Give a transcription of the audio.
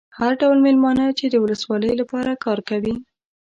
هر ډول مېلمانه چې د ولسوالۍ لپاره کار کوي.